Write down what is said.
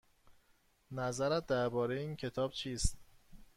نظرت درباره این کتاب چیست؟